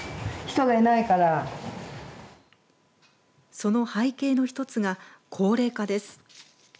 その背景の一つが高齢化です。